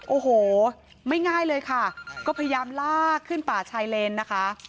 โอ้โหไม่ง่ายเลยค่ะก็พยายามลากขึ้นป่าชายเลนนะคะ